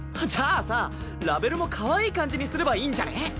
じゃあさラベルもかわいい感じにすればいいんじゃね？